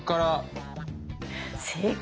正解！